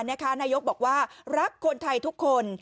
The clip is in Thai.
นายกบอกว่ารักคนไทยทุกคน